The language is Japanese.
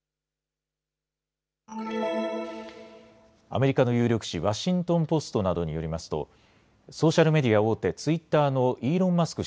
アメリカの有力紙ワシントン・ポストなどによりますとソーシャルメディア大手、ツイッターのイーロン・マスク